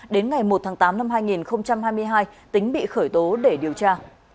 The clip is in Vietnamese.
đến ngày một tháng tám năm hai nghìn hai mươi hai tính bị khởi tố để điều tra